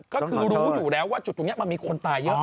ก็คือรู้อยู่แล้วว่าจุดตรงนี้มันมีคนตายเยอะ